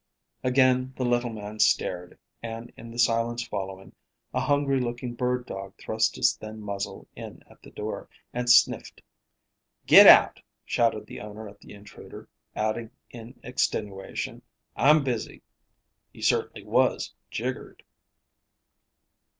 Again the little man stared; and in the silence following, a hungry looking bird dog thrust his thin muzzle in at the door, and sniffed. "Get out," shouted the owner at the intruder, adding in extenuation: "I'm busy." He certainly was "jiggered."